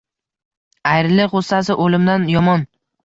Ayriliq g’ussasi o’limdan yomon…